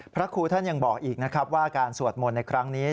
พระครูท่านยังบอกอีกนะครับว่าการสวดมนต์ในครั้งนี้